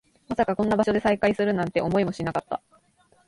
まさかこんな場所で再会するなんて、思いもしなかった